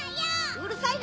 うるさいな！